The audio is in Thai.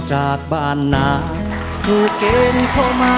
ถ้ามันก็ไม่มีโปรตุงคุ้ม